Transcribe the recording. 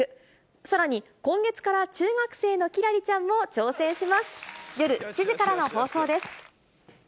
さらに、今月から中学生の輝星ちゃんも挑戦します。